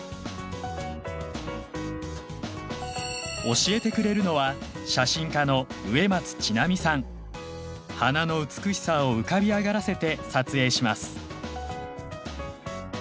教えてくれるのは花の美しさを浮かび上がらせて撮影します。